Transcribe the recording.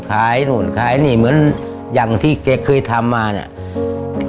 นู่นขายนี่เหมือนอย่างที่แกเคยทำมาเนี่ย